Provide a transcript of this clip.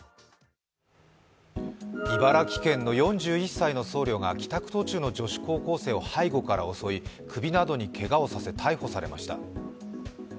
茨城県の４１歳の僧侶が帰宅途中の女性高校生を背後から襲い、首などにけがをさせ逮捕されました。